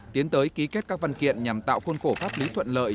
tiến tới ký kết các văn kiện nhằm tạo khuôn khổ pháp lý thuận lợi